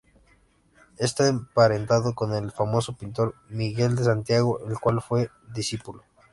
Está emparentado con el famoso pintor Miguel de Santiago, del cual fue discípulo.